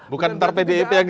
bukan nanti pdip yang